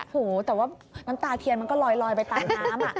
หูแต่ว่าน้ำตาเทียนมันก็ลอยไปตามน้ำ